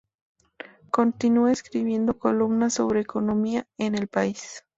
Continúa escribiendo columnas sobre economía en "El País".